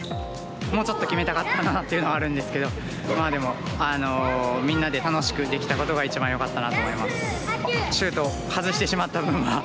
もうちょっと決めたかったなっていうのはあるんですけどまあでもみんなで楽しくできたことが一番よかったなと思います。